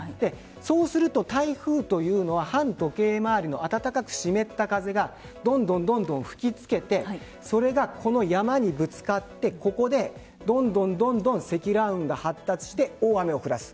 そうすると台風というのは反時計回りの暖かく湿った風がどんどん吹き付けてそれが、この山にぶつかってここでどんどん積乱雲が発達して大雨を降らす。